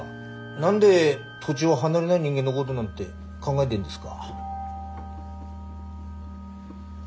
何で土地を離れない人間のごどなんて考えでんですか？